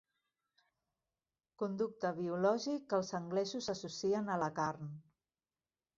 Conducte biològic que els anglesos associen a la carn.